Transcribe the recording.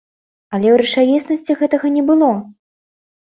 Але ў рэчаіснасці гэтага не было!